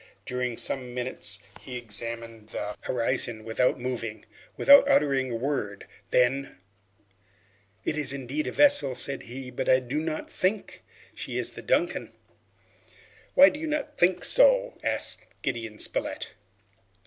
During some minutes he examined the horizon without moving, without uttering a word. Then, "It is indeed a vessel," said he, "but I do not think she is the 'Duncan.'" "Why do you not think so?" asked Gideon Spilett.